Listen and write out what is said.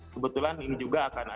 kebetulan ini juga akan